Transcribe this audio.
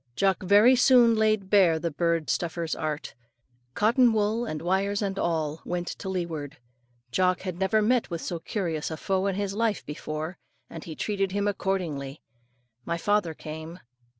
Jock very soon laid bare the bird stuffer's art. Cotton wool and wires and all went to leeward. Jock had never met with so curious a foe in his life before, and he treated him accordingly. My father came.